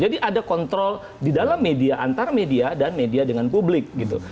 jadi ada kontrol di dalam media antar media dan media dengan publik gitu